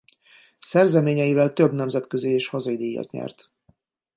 Szerzeményeivel több nemzetközi és hazai díjat nyert.